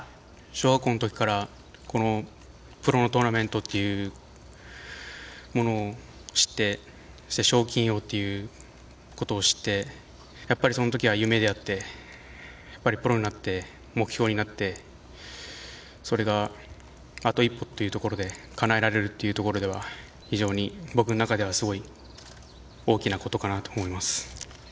◆小学校のときからこのプロのトーナメントというものを知って、賞金王ということを知って、やっぱりそのときは夢であって、やっぱりプロになって目標になって、それがあと一歩というところでかなえられるというところでは、非常に僕の中ではすごい大きなことかなと思います。